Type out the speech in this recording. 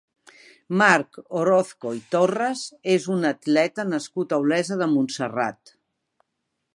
Marc Orozco i Torres és un atleta nascut a Olesa de Montserrat.